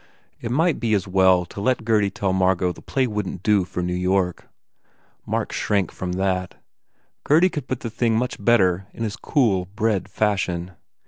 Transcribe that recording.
It might be as well to let Gurdy tell Mar got the play wouldn t do for New York. Mark shrank from that. Gurdy could put the thing much better in his cool, bred fashion.